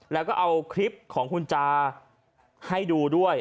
แล้วก็เอาคลิปของคุณจาให้ดูด้วย